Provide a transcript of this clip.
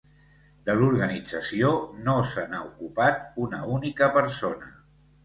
De l'organització no se n'ha ocupat una única persona.